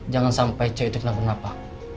jangan sampai cewek itu kenapa kenapa